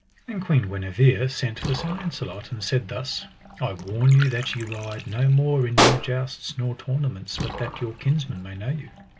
Then Queen Guenever sent for Sir Launcelot, and said thus: I warn you that ye ride no more in no jousts nor tournaments but that your kinsmen may know you.